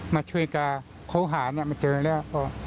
มาช่วยการค้นหามาเจนแล้ว